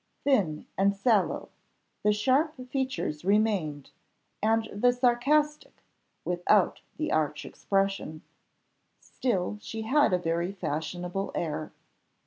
Thin and sallow, the sharp features remained, and the sarcastic without the arch expression; still she had a very fashionable air.